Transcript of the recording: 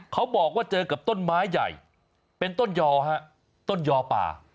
เขาบอกว่าเจอกับต้นไม้ใหญ่เป็นต้นยอฮะต้นยอป่า